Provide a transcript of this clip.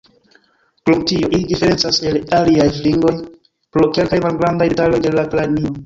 Krom tio, ili diferencas el aliaj fringoj pro kelkaj malgrandaj detaloj de la kranio.